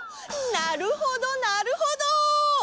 なるほどなるほど。